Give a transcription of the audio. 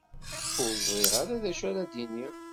Ur ẓriɣ ara d acu ara d-iniɣ.